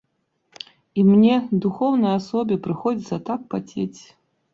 І мне, духоўнай асобе, прыходзіцца так пацець.